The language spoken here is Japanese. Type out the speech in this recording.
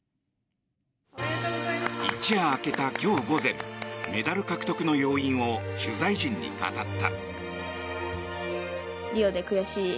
一夜明けた今日午前メダル獲得の要因を取材陣に語った。